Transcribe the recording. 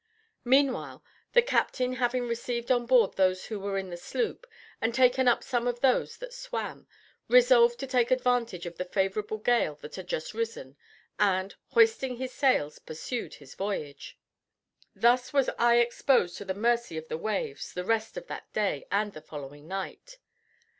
Meanwhile, the captain, having received on board those who were in the sloop, and taken up some of those that swam, resolved to take advantage of the favorable gale that had just risen, and, hoisting his sails, pursued his voyage. Thus was I exposed to the mercy of the waves the rest of that day and the following night.